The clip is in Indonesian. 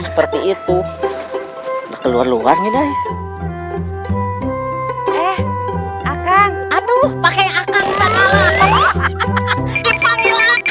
seperti itu keluar luar nih dah eh akan aduh pakai akan bisa kalah